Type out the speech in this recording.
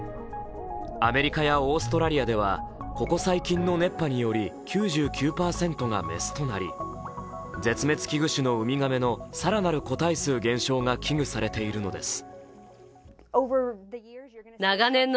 アメリカやオーストラリアではここ最近の熱波により、９９％が雌となり、絶滅危惧種のウミガメの更なる個体数減少が危惧されているのです。